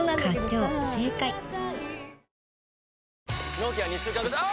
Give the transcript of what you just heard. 納期は２週間後あぁ！！